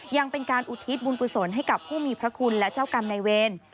ยังเป็นการอุทิศบุญกุศลให้กับผู้มีพระคุณและเจ้ากรรมในเวร